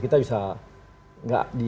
kita bisa nggak di